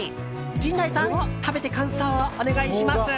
陣内さん食べて感想をお願いします。